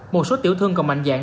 một số tiểu thương còn mạnh dạng